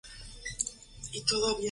El mismo King lo describe como un bonus.